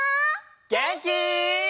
げんき？